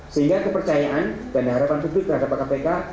sehingga kepercayaan dan harapan publik terhadap kpk